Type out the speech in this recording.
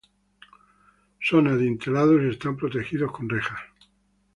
Son adintelados y están protegidos con rejas.